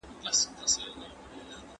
تاسو کولای شئ چي پوښتني وکړئ.